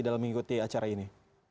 dalam mengikuti acara ini